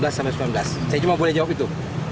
saya cuma boleh jawab itu